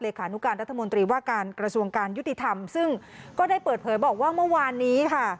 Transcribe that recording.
ขานุการรัฐมนตรีว่าการกระทรวงการยุติธรรมซึ่งก็ได้เปิดเผยบอกว่าเมื่อวานนี้ค่ะ